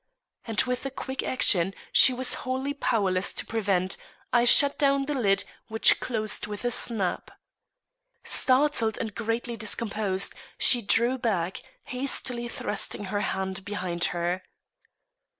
And with a quick action, she was wholly powerless to prevent, I shut down the lid, which closed with a snap. Startled and greatly discomposed, she drew back, hastily thrusting her hand behind her.